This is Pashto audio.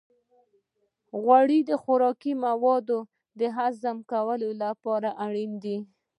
غوړې د خوراکي موادو د هضم کولو لپاره اړینې دي.